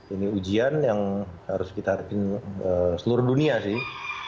ini ujian yang harus kita harapin seluruh dunia sih